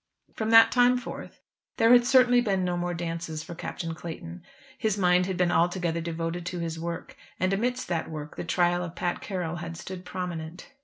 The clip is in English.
From that time forth there had certainly been no more dances for Captain Clayton. His mind had been altogether devoted to his work, and amidst that work the trial of Pat Carroll had stood prominent.